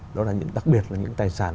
đó là những đặc biệt là những tài sản